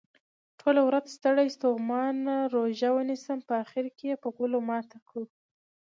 ټوله ورځ ستړي ستوماته روژه ونیسو په اخرکې یې په غولو ماته کړو.